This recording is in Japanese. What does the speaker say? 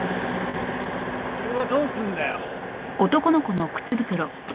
車どうすんだよ？